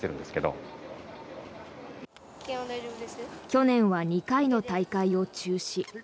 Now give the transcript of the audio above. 去年は２回の大会を中止。